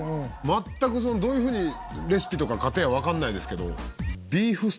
全くどういうふうにレシピとか過程はわからないですけど。